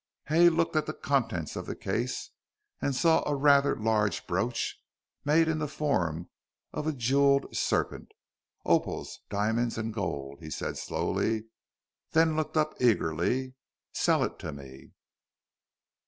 Hay looked at the contents of the case, and saw a rather large brooch made in the form of a jewelled serpent. "Opals, diamonds and gold," he said slowly, then looked up eagerly. "Sell it to me."